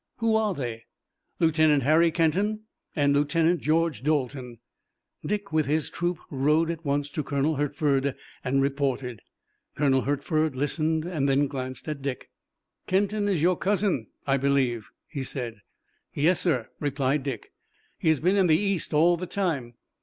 "Who are they?" "Lieutenant Harry Kenton and Lieutenant George Dalton." Dick with his troop rode at once to Colonel Hertford and reported. Colonel Hertford listened and then glanced at Dick. "Kenton is your cousin, I believe," he said. "Yes, sir," replied Dick. "He has been in the East all the time.